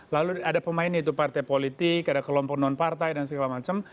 lalu ada pemain yaitu partai politik ada kelompok non partai dan segala macam